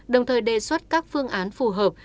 đồng thời đề xuất các phương án phù hợp